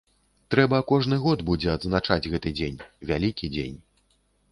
Трэба кожны год будзе адзначаць гэты дзень, вялікі дзень.